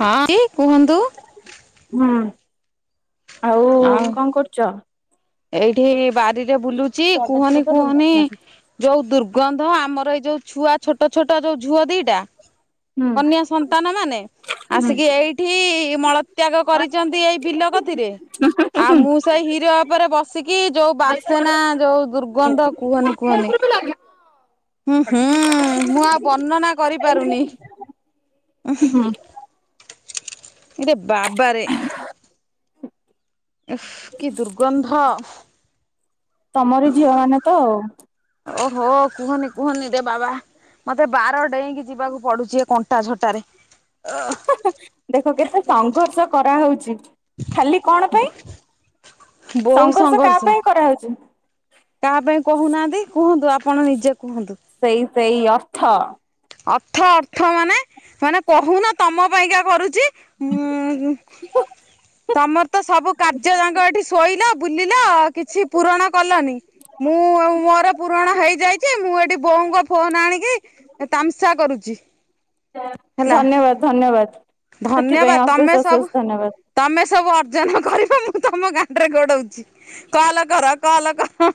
ହଁ କି କୁହନ୍ତୁ? ହୁଁ। ଆଉ କଣ କରୁଛ? ଏଇଠି ବାରିରେ ବୁଲୁଛି ଚଡା ଛଡା କୁହନି ତ ଦମ କୁହନି ହୁଁ ଯୋଉ ଦୁର୍ଗନ୍ଧ ଆମର ଏଇ ଯୋଉ ଛୁଆ ଛୋଟ ଛୋଟ ଯୋଉ ଝୁଅ ଦିଟା ହୁଁ କନ୍ୟା ସନ୍ତାନ ମାନେ। ଆସିକି ଏଇଠି ମଳତ୍ୟାଗ କରିଛନ୍ତି ଏଇ ବିଲ କତିରେ। ଆଉ ମୁଁ ସେ ହିରୋ ତାପରେ ବସିକି ଯୋଉ ବାସେନା ଯୋଉ ଦୁର୍ଗନ୍ଧ କୁହନି କୁହନି। ହୁଁ ହୁଁ ମୁଁ ଆଉ ବର୍ଣ୍ଣନା କରିପାରୁନି। ହୁଁ ଇରେ ବାବାରେ। କି ଦୁର୍ଗନ୍ଧ। ତମରି ଝିଅ ମାନେ ତ ଆଉ। ଓହୋ କୁହନି କୁହନି ରେ ବାବା। ମତେ ବାର ଡେଇଁକି ଯିବାକୁ ପଡୁଛି ଏ କଣ୍ଟା ଝଟାରେ। ଦେଖ କେତେ ସଂଘର୍ଷ କରାହଉଛି। ଖାଲି କଣ ପାଇଁ ସଂଘର୍ଷ କାହା ପାଇଁ କରାହେଉଛି। କାହା ପାଇଁ କହୁନାହାନ୍ତି କୁହନ୍ତୁ ଆପଣ ନିଜେ କୁହନ୍ତୁ। ସେଇ ସେଇ ଅର୍ଥ। ଅର୍ଥ ଅର୍ଥ ମାନେ ମାନେ କହୁନ ତମ ପାଇଁକା କରୁଛି। ଉଁ [unintelligible] ହ ତମର ତ ସବୁ କାର୍ଯ୍ୟ ଯାଙ୍କ ଏଠି ଶୋଇଲ ବୁଲିଲ ଆ କିଛି ପୂରଣ କଲନି। ମୁଁ ମୋର ପୁରଣ ହେଇଯାଇଛି ମୁଁ ଏଠି ବୋଉଙ୍କ ଫୋନ ଆଣିକି। ତାମସା କରୁଛି। ହେଲା ଧନ୍ୟବାଦ ଧନ୍ୟବାଦ ଧନ୍ୟବାଦ ସେଥିପାଇଁ ତମେ ଅଶେଷ ସବୁ ଅଶେଷ ଧନ୍ୟବାଦ। ତମେ ସବୁ ଅର୍ଜନ କର ମୁଁ ତମ ଗାଣ୍ଡରେ ଗୋଡଉଛି। କଲ କର କଲ କର।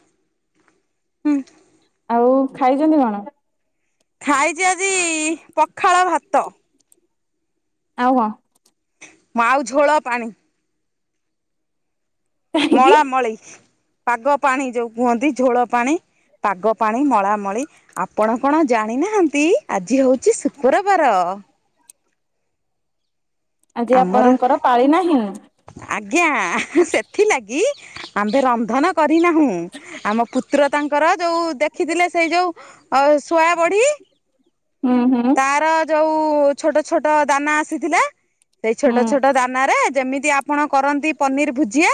ଆଉ ଖାଇଛନ୍ତି କଣ? ଖାଇଛି ଆଜି ପଖାଳ ଭାତ। ଆଉ କ? ମା ଆଉ ଝୋଳ ପାଣି। କାହିଁକି ମଳା ମଳି ପାଗ ପାଣି ଯୋଉ କୁହନ୍ତି ଝୋଳ ପାଣି। ପାଗ ପାଣି ମଳା ମଳି ଆପଣ କଣ ଜାଣିନାହାନ୍ତି। ଆଜି ହେଉଛି ଶୁକ୍ରବାର। ଆଜି ଆମର ଆପଣଙ୍କର ପାଳି ନାହିଁ। ଆଜ୍ଞା ସେଥିଲାଗି ଆମ୍ଭେ ରନ୍ଧନ କରିନାହୁଁ, ଆମ ପୁତ୍ର ତାଙ୍କର ଯୋଉ ଦେଖିଥିଲେ ସେଇ ଯୋଉ ଅ ଶୁଆ ବଢି ହୁଁ ହୁଁ। ତାର ଯୋଉ ଛୋଟ ଛୋଟ ଦାନା ଆସିଥିଲା ସେଇ ହୁଁ ଛୋଟ ଛୋଟ ଦାନା ରେ ଯେମିତି ଆପଣ କରନ୍ତି ପନିର ଭୁଜିଆ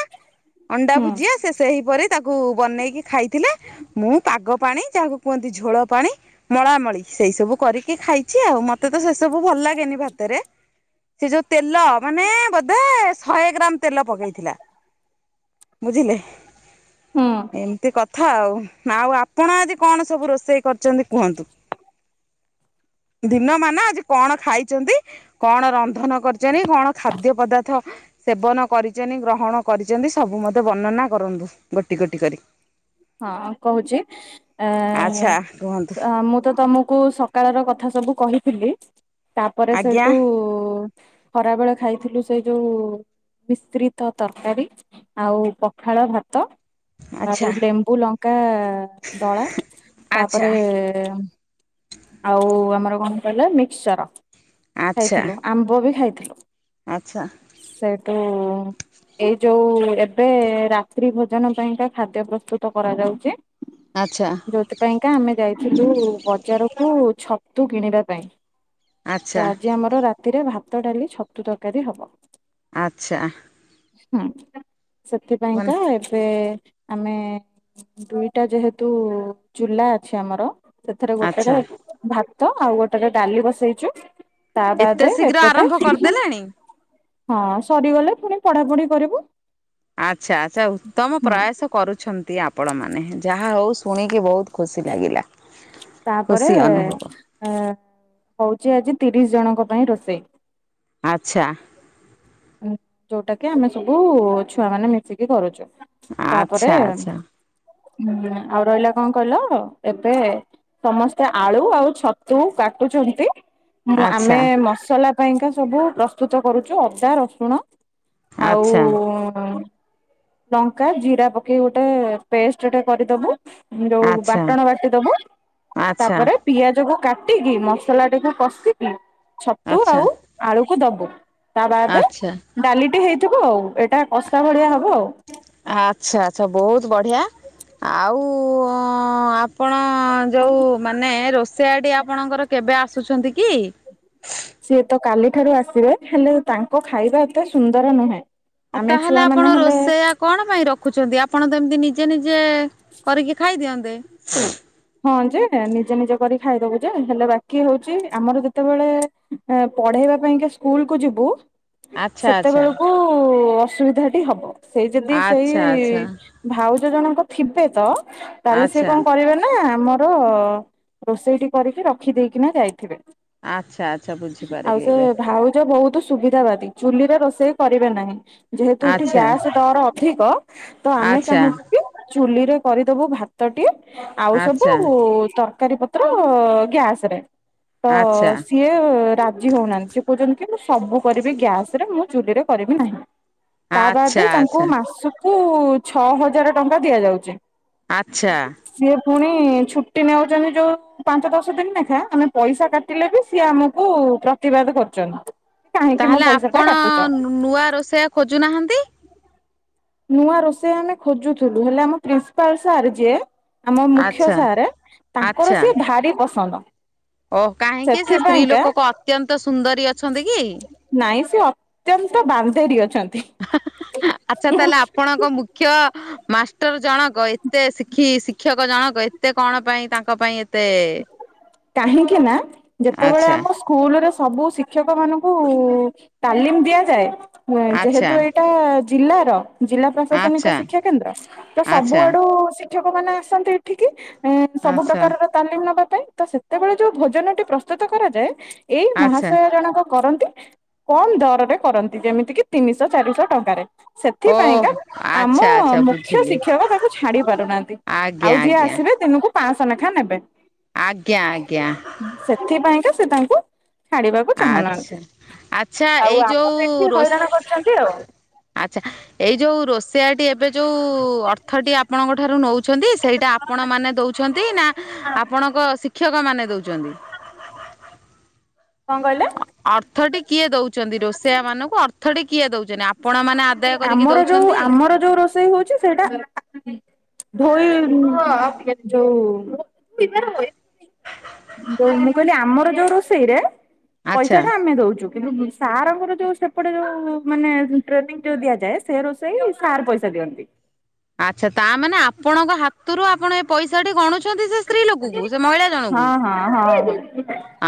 ଅଣ୍ଡା ହୁଁ ଭୁଜିଆ ସେ ସେହିପରି ତାକୁ ବନେଇକି ଖାଇଥିଲେ। ମୁଁ ପାଗ ପାଣି ଯାହାକୁ କୁହନ୍ତି ଝୋଳ ପାଣି ମଳାମଳି ସେଇ ସବୁ କର କି ଖାଇଛି ଆଉ ମତେ ତ ସେ ସବୁ ଭଲ ଲାଗେନି ଭାତରେ ସେ ଯୋଉ ତେଲ ମାନେ ବୋଧେ ଶହେ ଗ୍ରାମ ତେଲ ପକେଇଥିଲା, ବୁଝିଲେ ହୁଁ। ଏମତି କ କଥା ଆଉ ଆଉ ଆପଣ ଆଜିି କଣ ସବୁ ରୋଷେଇ କରିଛନ୍ତି କୁହନ୍ତୁ? ଦିନ ମାନ ଆଜି କଣ ଖାଇଛନ୍ତି, କଣ ରନ୍ଧନ କରିଚନ କଣ ଖାଦ୍ୟ ପଦାର୍ଥ ସେବନ କରିଛନ୍ତି ଗ୍ରହଣ କରିଛନ୍ତି ସବୁ ମତେ ବର୍ଣ୍ଣନା କରନ୍ତୁ ଗୋଟି ଗୋଟି କରି। ହଁ କହୁଛି ଆଚ୍ଛା କୁହନ୍ତୁ ମୁଁ ତ ତମକୁ ସ ସକାଳର କଥା ସବୁ କହିଥିଲି ତାପରେ ଆଜ୍ଞା ସେଇଠୁ ଖରା ବେଳେ ଖାଇଥିଲୁ ସେ ଯୋଉ ମିଶ୍ରିତ ତରକାରୀ। ଆଉ ପଖାଳ ଭାତ। ଆଚ୍ଛା ଆଉ ଲେମ୍ବୁ ଲଙ୍କା ଦଳା ଆଚ୍ଛା ତାପରେ ଏ ଆଉ ଆମର କଣ କହିଲ ମିକ୍ସଚର। ଆଚ୍ଛା ଖାଇଥିଲୁ ଆମ୍ବ ବି ଖାଇଥିଲୁ। ଆଚ୍ଛା। ସେଇଟୁ ଏଇ ଯୋଉ ଏବେ ରାତ୍ରି ଭୋଜନ ପାଇଁକା ଖାଦ୍ୟ ପ୍ରସ୍ତୁତ କରାଯାଉଛି। ଆଚ୍ଛା। ଯୋଉଥିପାଇଁକା ଆମେ ଯାଇଥିଲୁ ବଜାରକୁ ଛତୁ କିଣିବା ପାଇଁ। ତ ଆଜି ଆମର ରାତିରେ ଭାତ ଡାଲି ଛତୁ ତରକାରୀ ହବ। ଆଚ୍ଛା। ହୁଁ ସେଥିପାଇଁକା ଏବେ ଆମେ ଦୁଇଟା ଯେହେତୁ ଚୁଲା ଅଛି ଆମର ସେଥିରେ ଆଚ୍ଛା ଗୋଟେରେ ଭାତ ତ ଆଉ ଗୋଟେ ଡାଲି ବସେଇଛୁ ତା ଏତେ ବାଦ ଶୀଘ୍ର ଏପଟେ ଆରମ୍ଭ କରିଦେଲେଣି ହଁ ସରିଗଲେ ପୁଣି ପଢା ପଢି କରିବୁ। ଆଚ୍ଛା ଆଚ୍ଛା ଉତ୍ତମ ହୁଁ ପ୍ରୟାସ କରୁଛନ୍ତି ଆପଣ ମାନେ ଯାହା ହଉ ଶୁଣିକି ବହୁତ ଖୁସି ଲାଗିଲା। ତାପରେ ଖୁସି ଅନୁଭବ ଆ ହଉଛି ଆଜି ତିରିଶ ଜଣଙ୍କ ପାଇଁ ରୋଷେଇ। ଆଚ୍ଛା। ଯୋଉଟା କି ଆମେ ସବୁ ଛୁଆ ମାନେ ମିଶିକି କରୁଛୁ। ତାପରେ ଆଚ୍ଛା ଆଚ୍ଛା ଆଉ ରହିଲା କଣ କହିଲ ଏବେ ସମସ୍ତେ ଆଳୁ ଆଉ ଛତୁ କାଟୁଛନ୍ତି! ମୁଁ ଆମେ ଆଚ୍ଛା ମସଲା ପାଇଁକା ସବୁ ପ୍ରସ୍ତୁତ କରୁଛୁ ଅଦା ରସୁଣ ଆଚ୍ଛା ଆଉ ଲଙ୍କା ଜିରା ପକେଇକ ଗୋଟେ ପେଷ୍ଟ ଗଟେ କରିଦବୁ ଯୋଉ ଆଚ୍ଛା ବାଟଣ ବାଟିଦବୁ ଆଚ୍ଛା ଆଚ୍ଛା ତାପରେ ପିଆଜ କ କାଟିକି ମସଲାଟିକୁ କଷିକି ଛତୁ ଆଚ୍ଛା ଆଉ ଆଳୁକୁ ଦବୁ ତା ବାଦ ଆଚ୍ଛା ଡାଲିଟି ହେଇଥିବ ଆଉ ଏଇଟା କଷା ଭଳିଆ ହବ ଆଉ। ଆଚ୍ଛା ଆଚ୍ଛା ବହୁତ ବଢିଆ ଆଉ ଆପଣ ଯେଉଁ ମାନେ ରୋଷେଇଆଟି ଆପଣଙ୍କର କେବେ ଆସୁଛନ୍ତି କି ସିଏ ତ କାଲିଠାରୁ ଆସିବେ ହେଲେ ତାଙ୍କ ଖାଇବା ଏତେ ସୁନ୍ଦର ନୁହେଁ। ଆଉ ଆମେ ତାହେଲେ ଛୁଆ ଆପଣ ମାନେ ହେଲେ ରୋଷେଇଆ କଣ ପାଇଁ ରଖୁଛନ୍ତି ଆପଣ ତ ଏମିତି ନିଜେ ନିଜେ କରିକି ଖାଇଦିଅନ୍ତେ। ହଁ ଯେ ନିଜେ ନିଜେ କରି ଖାଇଦବୁ ଯେ ହେଲେ ବାକି ହଉଛି ଆମର ଯେତେବେଳେ ପଢେଇବା ପାଇଁକା ସ୍କୁଲକୁୁ ଯିବୁ ଆଚ୍ଛା ଆଚ୍ଛା ସେତେବେଳକୁ ଅସୁବିଧାଟି ହବ ସେଇ ଯଦି ସେଇ ଆଚ୍ଛା ଆଚ୍ଛା ଭାଉଜ ଜଣଙ୍କ ଥିବେ ତ ତାହେଲେ ସେ ଆଚ୍ଛା କଣ କରିବେ ନା ଆମର ରୋଷେଇଟି କରିକି ରଖିଦେଇକିନା ଯାଇଥିବେ। ଆଚ୍ଛା ଆଚ୍ଛା ଆଉ ବୁଝିପାରିଲି ସେ ଏବେ ଭାଉଜ ବହୁତ ସୁବିଧାବାଦୀ ଚୁଲିରେ ରୋଷେଇ କରିବେ ନାହିଁ।। ଯେହେତୁ ଏଠି ଆଚ୍ଛା ଗ୍ୟାସ୍ ଡର ଅଧିକ ତ ଆମେ ଆଚ୍ଛା ଚାହୁଁଛୁ କି।। ଚୁଲି ରେ କରିଦବୁ ଭାତଟି ଆଉ ସବୁ ଆଚ୍ଛା ତରକାରୀ ପ ତଗ୍ୟାସ୍ ରେ ତ ଆଚ୍ଛା ସିଏ ରାଜି ହଉନାହାନ୍ତି ସେ କହୁଛନ୍ତି କି ମୁଁ ସବୁ କରିବି ଗ୍ୟାସ ରେ ମୁଁ ଚୁଲିରେ କରିବି ନାହିଁ। ତା ଆଚ୍ଛା ବାଦ ତାଙ୍କୁ ଆଚ୍ଛା ମାସକୁ ଛଅ ହଜାର ଟଙ୍କା ଦିଆଯାଉଛି। ଆଚ୍ଛା ସିଏ ପୁଣି ଛୁଟି ନେଉଛନ୍ତି ଯୋଉ ପାଞ୍ଚ ଦଶ ଦିନ ଲେଖା ଆମେ ପଇସା କାଟିଲେ ବି ସିଏ ଆମକୁ ପ୍ରତିବାଦ କରୁଛନ୍ତି। କାହିଁକି ମୋ ତାହେଲେ ପଇସା ଟା ଆପଣ କାଟୁଛ? ନୂଆ ରୋଷେଇଆ ଖୋଜୁନାହାନ୍ତି, ନୂଆ ରୋଷେଇ ଆମେ ଖୋଜୁଥିଲୁ ହେଲେ ଆମ ପ୍ରିନ୍ସିପାଲ ସାର୍ ଯିଏ ଆମ ମୁଖ୍ୟ ଆଚ୍ଛା ସାରେ ତାଙ୍କର ଆଚ୍ଛା। ସେି ଭାରି ପସନ୍ଦ। ଓହ କାହିଁକି ସେ ସ୍ତ୍ରୀ ସେଥିପାଇଁକା ଲୋକ କ ଅତ୍ୟନ୍ତ ସୁନ୍ଦରୀ ଅଛନ୍ତି କି? ନାଇଁ ସେି ଅତ୍ୟନ୍ତ ବାନ୍ଧେରିୀ ଅଛନ୍ତି। ଆଚ୍ଛା ତାହେଲେ ଆପଣଙ୍କ ମୁଖ ଶିକ୍ଷ ମାଷ୍ଟର ଜଣକ ଏତେ ଶିକ୍ଷ ଶିକ୍ଷକ ଜଣକ ଏତେ କଣ ପାଇଁ ତାଙ୍କ ପାଇଁ ସେ କାହିଁକି ନା ଯେତେବେଳେ ଆଚ୍ଛା ଆମ ସ୍କୁଲରେ ସବୁ ଶିକ୍ଷକ ମାନଙ୍କୁ ତାଲିମ ଦିଆଯାଏ ଆଚ୍ଛା ଯେହେତୁ ଏ ଟା ଜିଲ୍ଲାର ଜିଲ୍ଲା ଆଚ୍ଛା ପ୍ରଶାସନିକ ଶିକ୍ଷା କେନ୍ଦ୍ର ତ ଆଚ୍ଛା ସବୁଆଡୁ ଶିକ୍ଷକ ମାନେ ଆସନ୍ତି ଏଠିକି ସବୁ ଆଚ୍ଛା ପ୍ରକାରର ତାଲିମ ନେବା ପାଇଁ ତ ସେଥି ସେତେବେଳେ ଯୋଉ ଭୋଜନଟି ପ୍ରସ୍ତୁତ କରାଯାଏ ଏଇ ଆଚ୍ଛା ମହାଶୟ ଜଣକ କରନ୍ତି କମ୍ ଦରରେ କରନ୍ତି ଯେମିତି କିି ତିନିଶହ ଚାରିଶହ ଟଙ୍କାରେ। ଓହ ସେଥିପାଇଁକା ଆଚ୍ଛା ଆମ ଆଚ୍ଛା ମୁଖ୍ୟ ବୁଝିଲି। ଶିକ୍ଷକ ତାକୁ ଛାଡି ପାରୁନାହାନ୍ତି। ଆଜ୍ଞା ଆଉ ଯିଏ ଆଜ୍ଞା ଆସିବେ ଦିନକୁ ପାଁଶହ ଲେଖାଁ ନେବେ। ଆଜ୍ଞା ଆଜ୍ଞା। ସେଥିପାଇଁକା ସେ ତାଙ୍କୁ ଛାଡିବାକୁ ଆଚ୍ଛା। ଚାହୁଁନାହାନ୍ତି ଆଚ୍ଛା ଏଇ ଆଉ ଯୋଉ ଆମର ଏଠି ହଇରାଣ ରୋଷ୍ କରିଛନ୍ତି ଆଉ। ଆଚ୍ଛା ଏଇ ଯୋଉ ରୋଷିଆଟି ଏବେ ଯୋଉ ଅର୍ଥଟି ଆପଣଙ୍କ ଠାରୁ ନେଉଛନ୍ତି ସେଇଟା ଆ ଆପଣମାନେ ଦଉଛନ୍ତି ନା ଆପଣଙ୍କ ଶିକ୍ଷକମାନେ ଦଉଛନ୍ତି। କଣ କଇଲେ। ଅର୍ଥଟି କିଏ ଦଉଚନ୍ତି ରୋଷେୟା ମାନଙ୍କୁ ଅର୍ଥଟି କିଏ ଦଉଚନି ଆପ ଆପଣ ମାନେ ଆଦାୟ କରିକି ଆମର ଯୋଉ ଦଉଛନ୍ତି। ଆମର ଯୋଉ ରୋଷେଇ ହଉଚି ସେଇଟା [unintelligible] [unintelligible] ମୁଁ କଇଲି ଆମର ଯୋଉ ରୋଷେଇରେ ପଇସା ଆଚ୍ଛା ଟା ଆମେ ଦୋଉଚୁ କିନ୍ତୁ ସାରଙ୍କର ଯୋଉ ସେପଟେ ଯୋଉ ମାନେ ଟ୍ରେନିଂ ଯୋଉ ଦିଆଯାଏ ସେ ରୋଷେଇ ସାର ପଇସା ଦିଅନ୍ତି। ଆଚ୍ଛା ତାମାନେ ଆପଣଙ୍କ ହାତରୁ ଆପଣ ଏ ପଇସା ଟି ଗଣୁଛନ୍ତି ସେ ସ୍ତ୍ରୀ ଲୋକକୁ ସେ ମହିଳା ହଁ ଜଣଙ୍କୁ। ହଁ ହଁ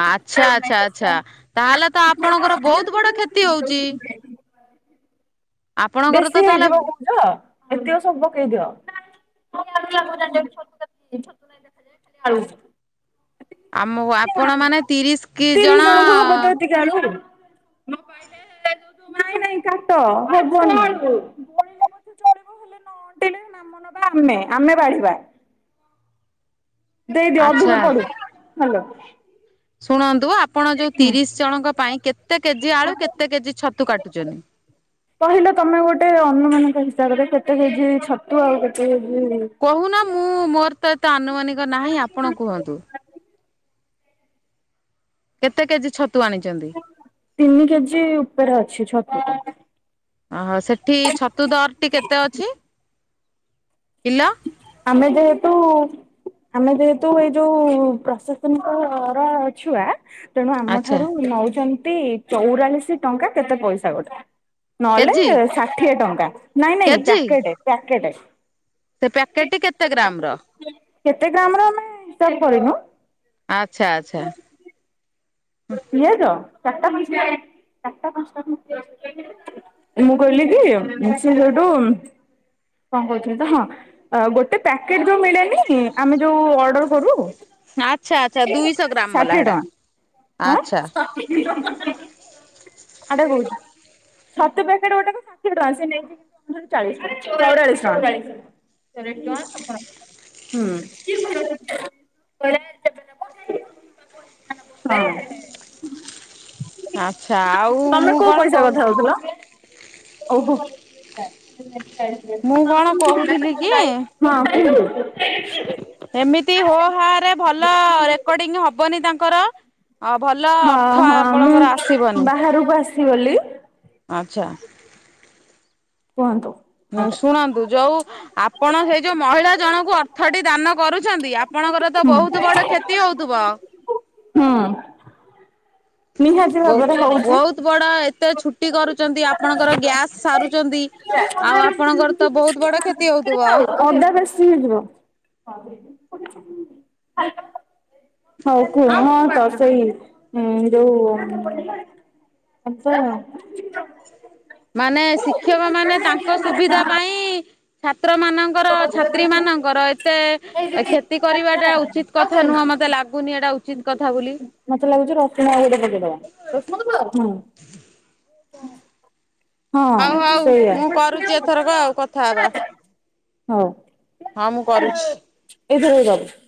ଆଚ୍ଛା ଆଚ୍ଛା ଆଚ୍ଛା ତାହେଲେ ତ ଆପଣଙ୍କର ବହୁତ ବଡ କ୍ଷତି ହୋଉଚି। ତ ବେଶି ତାହେଲେ ହେଇଯିବ [unintelligible] ଏତିକ ସବୁ ପକେଇ ଦିଅ [unintelligible] ଆଳୁ। ଆମକୁ ଆପଣ ମାନେ ତିରିଶ କି ତିରିଶ ଜଣ ଜଣଙ୍କୁ [unintelligible] ନାଇଁ ନାଇଁ କାଟ ହବନି [unintelligible] ନ ଅଣ୍ଟିଲେ ନାମ ନବା ଆମେ ଆମେ ବାଢ଼ିବା। ଦେଇଦିଅ ଅଧିକ ଆଚ୍ଛା ପଡୁ ହାଲୋ। ଶୁଣନ୍ତୁ ଆପଣ ଯୋଉ ହୁଁ। ତିରିଶ ଜଣଙ୍କ ପାଇଁ କେତେ କେଜି ଆଳୁ କେତେ କେଜି ଛତୁ କାଟୁଚନି। କହିଲ ତମେ ଗୋଟେ ଅନୁମାନିକ ହିସାବରେ କେତେ କେଜି ଛତୁ ଆଉ କେତେ କେଜି କହୁନ ମୁଁ ମୋର ତ ଏତେ ଆନୁମାନିକ ନାହିଁ ଆପଣ କୁହନ୍ତୁ। କେତେ କେଜି ଛତୁ ଆଣିଚନ୍ତି। ତିନି କେଜି ଉପରେ ଅଛି ଛତୁ। ଓହୋ ସେଠି ଛତୁ ଦର ଟି କେତେ ଅଛି କିଲ। ଆମେ ଯେହେତୁ ଆମେ ଯେହେତୁ ଏଇ ଯୋଉ ପ୍ରଶାସନିକ ର ଛୁଆ ତେଣୁ ଆଚ୍ଛା ଆମଠାରୁ ନଉଚନ୍ତି ଚଉରାଳିଶ ଟଙ୍କା କେତେ ପଇସା ଗୋଟେ ନହେଲେ କେଜି? ଷାଠିଏ ଟଙ୍କା ନାଇଁ ନାଇଁ କେଜି ପ୍ୟାକେଟେ ପ୍ୟାକେଟେ। ସେ ପ୍ୟାକେଟ ଟି କେତେ ଗ୍ରାମ ର। କେତେ ଗ୍ରାମ ର ଆମେ ହିସାବ କରିନୁ। ଆଚ୍ଛା ଆଚ୍ଛା। ପିଆଜ ଚାରିଟା ପାଞ୍ଚଟା ଚାରିଟା ପାଞ୍ଚଟା ଖଣ୍ଡ ପିଆଜ ମୁଁ କହିଲି କି ସିଏ ଯୋଉଟୁ କଣ କହୁଥିଲି ତ ହଁ ଅ ଗୋଟେ ପ୍ୟାକେଟ ଯୋଉ ମିଳେନି ଆମେ ଯୋଉ ଅ ଅଡର କରୁ ଆଚ୍ଛା ଆଚ୍ଛା ଦୁଇଶହ ଗ୍ରାମ ବାଲା ଷାଠିଏ ହେଟା ଟଙ୍କା। ଆଁ ଆଚ୍ଛା। ଆଡେ କହୁଚି। ଛତୁ ପ୍ୟାକେଟ ଗୋଟାକୁ ଷାଠିଏ ଟଙ୍କା ସେ ନେଇଚି [unintelligible] ଚାଳିଶ ଟଙ୍କା ଆରେ ଚୋଉରାଳିଶ ଟଙ୍କା। ତିରିଶି ଟଙ୍କା ଛପନ ପଇସା। ହୁଁ [unintelligible] ହଁ। ଆଚ୍ଛା ଆଉ ତମେ ମୁଁ କୋଉ କଣ ପଇସା କହୁ କଥା ହଉଥିଲ। [unintelligible] ହଁ କୁହ। ମୁଁ କଣ କହୁଥିଲି କି ଏମିତି ହୋ ହା ରେ ଭଲ ରେକର୍ଡିଂ ହବନି ତାଙ୍କର‌। ଆଉ ଭଲ ହଁ ଅର୍ଥ ହଁ ମୁଁ ଆପଣଙ୍କର ଆସିବନି ବାହାରକୁ ଆସିଗଲି ଆଚ୍ଛା। କୁହନ୍ତୁ। ଉଁ ଶୁଣନ୍ତୁ ଯୋଉ। ଆପଣ ସେଇ ଯୋଉ ମହିଳା ଜଣଙ୍କୁ ଅର୍ଥଟି ଦାନ କରୁଛନ୍ତି ଆପଣଙ୍କର ତ ହୁଁ ବହୁତ ବଡ କ୍ଷତି ହଉଥିବ। ହଁ। ବ ବହୁତ୍ ବଡ ଏତେ ଛୁଟ ଛୁଟି କରୁଛନ୍ତି ଆପଣଙ୍କର ଗ୍ୟାସ୍ ସାରୁଛନ୍ତି, ଆଉ ଆପଣଙ୍କର ତ ବହୁତ ବଡ କ୍ଷ କ୍ଷତି ହଉଥିବ। ଅଦା ଅଦା ବେଶୀ ହେଇଯିବ। ହଉ କୁହ ହଁ ତ ସେଇ। ହୁଁ ଯୋଉ ଆଛା। ମାନେ ଶିକ୍ଷକ ମାନେ ତାଙ୍କ ସୁବିଧା ପାଇଁ ଛାତ୍ର ମାନଙ୍କ ଙ୍କର ଛାତ୍ରୀ ମାନଙ୍କର ଏତେ। କ୍ଷତି କରିବାଟା ଉଚିତ କଥା ନୁହଁ ମତେ ଲାଗୁନି ଏଟା ଉଚିତ୍ କଥା ବୋଲି। [unintelligible] ହଁ ହଉ ହଉ ସେଇଆ ମୁଁ ହ କରୁଛି ଏଥରକ ଆଉ କଥା ହବା ଉ। ହଁ ମୁଁ କରୁଛି। [unintelligible]